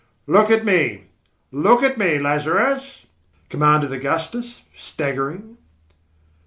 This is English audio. "Look at me, look at me, Lazarus!" commanded Augustus, staggering...